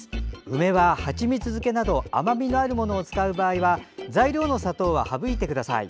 梅は、はちみつ漬けなど甘みがあるものを使う場合は材料の砂糖は省いてください。